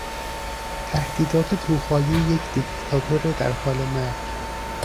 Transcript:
تهدیدات تو خالی یک دیکتاتور در حال مرگ